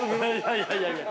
◆いやいやいや！